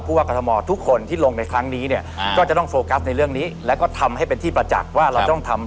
ว่ากรทมทุกคนที่ลงในครั้งนี้เนี่ยก็จะต้องโฟกัสในเรื่องนี้แล้วก็ทำให้เป็นที่ประจักษ์ว่าเราต้องทำ